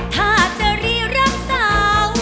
ถ้าจะรีบรักสาว